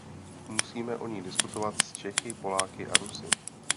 Musíme o ní diskutovat s Čechy, Poláky a Rusy.